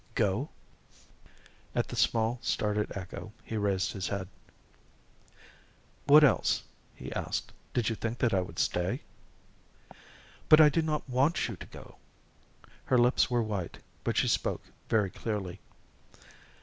"Go?" At the small startled echo he raised his head. "What else?" he asked. "Did you think that I would stay?" "But I do not want you to go." Her lips were white, but she spoke very clearly.